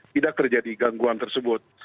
tidak terjadi gangguan tersebut